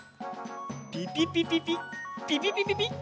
ピピピピピッピピピピピッ。